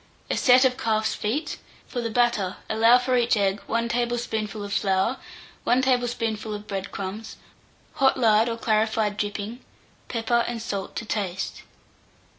A set of calf's feet; for the batter allow for each egg 1 tablespoonful of flour, 1 tablespoonful of bread crumbs, hot lard or clarified dripping, pepper and salt to taste.